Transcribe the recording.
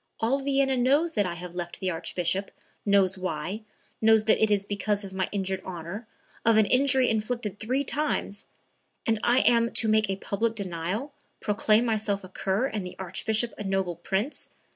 All Vienna knows that I have left the Archbishop, knows why, knows that it is because of my injured honor, of an injury inflicted three times, and I am to make a public denial, proclaim myself a cur and the Archbishop a noble prince?